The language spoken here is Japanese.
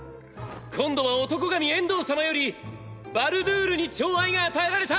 今度は男神エンドー様よりバルドゥールに寵愛が与えられた！